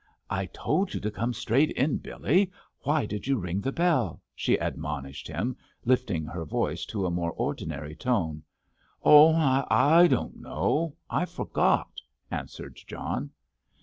"I told you to come straight in, Billy. Why did you ring the bell?" she admonished him, lifting her voice to a more ordinary tone. "Oh, I don't know; I forgot," answered John.